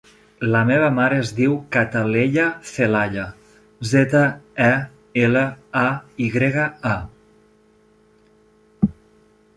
La meva mare es diu Cataleya Zelaya: zeta, e, ela, a, i grega, a.